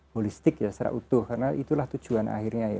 holistik ya secara utuh karena itulah tujuan akhirnya ya